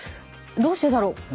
どうしてだろう。